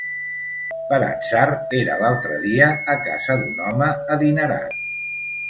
Per atzar era l'altre dia a casa d'un home adinerat